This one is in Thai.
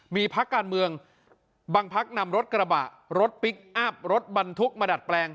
มีพักการเมืองบางพักนำรถกระบะรถพลิกอัพรถบรรทุกมาดัดแปลง